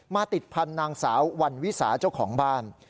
ติดพันธุ์นางสาววันวิสาเจ้าของบ้าน